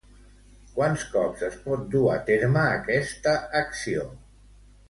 Quants cops es pot dur a terme aquesta acció?